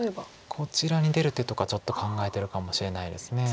こちらに出る手とかちょっと考えてるかもしれないです。